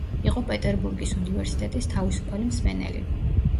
იყო პეტერბურგის უნივერსიტეტის თავისუფალი მსმენელი.